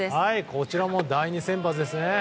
こちらも第２先発ですね。